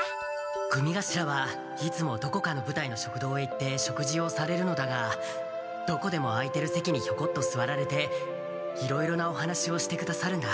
組頭はいつもどこかの部隊の食堂へ行って食事をされるのだがどこでも空いてる席にひょこっとすわられていろいろなお話をしてくださるんだ。